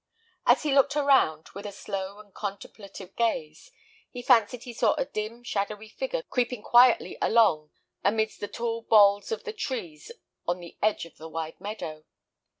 As he looked around, with a slow and contemplative gaze, he fancied he saw a dim, shadowy figure creeping quietly along amidst the tall bolls of the trees on the edge of the wide meadow.